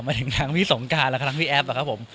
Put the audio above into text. มาถึงทางพี่สงการและทั้งพี่แอฟอะครับผม